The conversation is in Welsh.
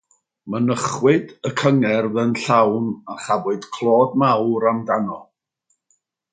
Mynychwyd y cyngerdd yn llawn a chafwyd clod mawr amdano.